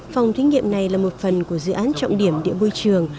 phòng thí nghiệm này là một phần của dự án trọng điểm địa môi trường